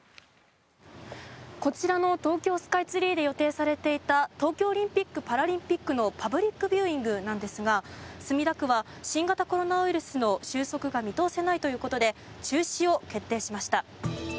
こちらの東京スカイツリーで予定されていた東京オリンピック・パラリンピックのパブリックビューイングなんですが墨田区は新型コロナウイルスの収束が見通せないということで中止を決定しました。